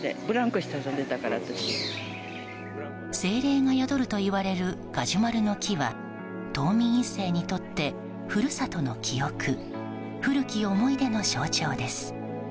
精霊が宿るといわれるガジュマルの木は島民１世にとって故郷の記憶古き思い出の象徴です。